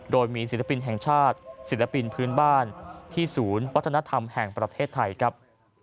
โดยมีศิลปินแห่งชาติศิลปินพื้นบ้านที่ศูนย์วัฒนธรรมแห่งประเทศไทยครับ